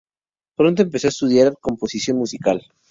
Pronto empezó a estudiar composición musical.